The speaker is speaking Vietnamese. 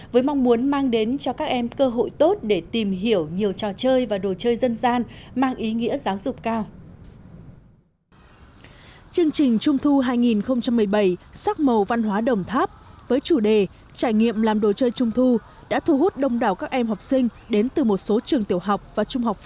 với mong muốn mang đến cho các em cơ hội tốt để tìm hiểu nhiều trò chơi và đồ chơi dân gian mang ý nghĩa giáo dục cao